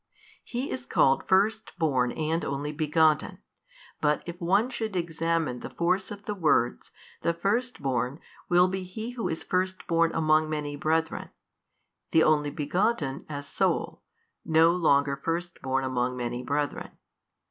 He is called First born and Only Begotten, but if one should examine the force of the words, the First born will be He Who is First born among many brethren, the Only Begotten as Sole, no longer First born among many brethren.